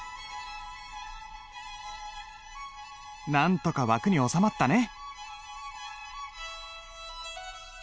なんとか枠に収まったね！